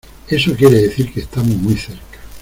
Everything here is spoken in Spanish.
eso quiere decir que estamos muy cerca.